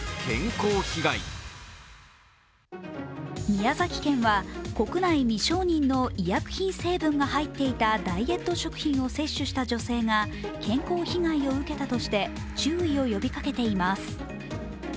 宮崎県は国内未承認の医薬品成分が入っていたダイエット食品を摂取した女性が健康被害を受けたとして注意を呼びかけています。